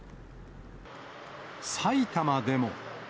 埼玉でも。